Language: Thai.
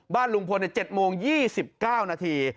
บ้านลุงพล๗โมง๒๙นาที